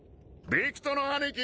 ヴィクトの兄貴！